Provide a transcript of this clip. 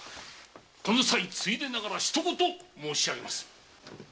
この際ついでながらひと言申しあげます。